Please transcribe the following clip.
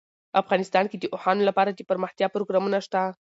افغانستان کې د اوښانو لپاره دپرمختیا پروګرامونه شته.